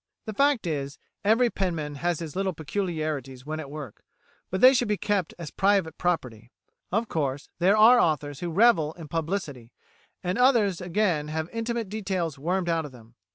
The fact is, every penman has his little peculiarities when at work, but they should be kept as private property. Of course, there are authors who revel in publicity, and others again have intimate details wormed out of them.